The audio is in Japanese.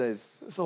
そう？